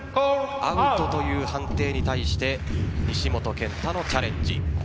アウトという判定に対して西本拳太のチャレンジ。